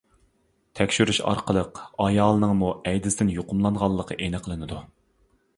تەكشۈرۈش ئارقىلىق، ئايالىنىڭمۇ ئەيدىزدىن يۇقۇملانغانلىقى ئېنىقلىنىدۇ.